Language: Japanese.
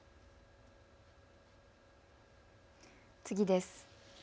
次です。